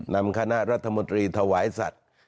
นำคณะรัฐมนตรีถวายสัตว์